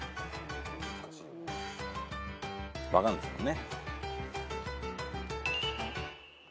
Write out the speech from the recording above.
分かるんですもんね。